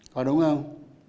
có đúng không